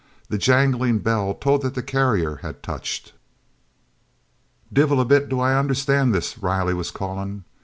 The jangling bell told that the carrier had touched. "Divil a bit do I understand this," Riley was calling.